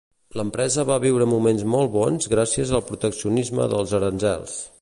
L'empresa va viure moments molt bons gràcies al proteccionisme dels aranzels.